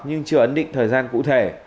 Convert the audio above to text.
nhưng chưa ấn định thời gian cụ thể